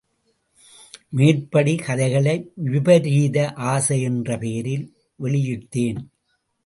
மேற்படி கதைகளை விபரீத ஆசை என்ற பெயரில் வெளியிட்டேன்.